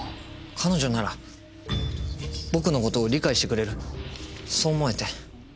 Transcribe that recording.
彼女なら僕のことを理解してくれるそう思えて。